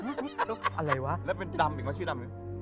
พี่ยังไม่ได้เลิกแต่พี่ยังไม่ได้เลิก